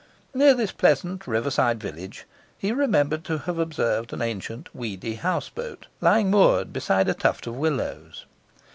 Near this pleasant riverside village he remembered to have observed an ancient, weedy houseboat lying moored beside a tuft of willows.